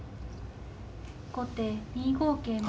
後手２五桂馬。